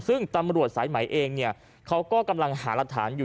ซึ่งตำรวจสายไหมเองเนี่ยเขาก็กำลังหารักฐานอยู่